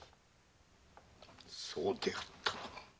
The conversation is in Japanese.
そうであったな。